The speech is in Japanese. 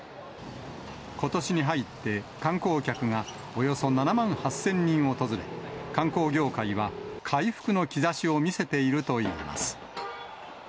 ことしに入って、観光客がおよそ７万８０００人訪れ、観光業界は回復の兆しを見せているといいます。